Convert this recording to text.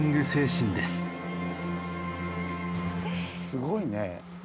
すごいね。